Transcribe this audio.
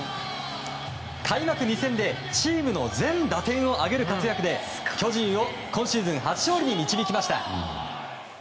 開幕２戦でチームの全打点を挙げる活躍で巨人を今シーズン初勝利に導きました。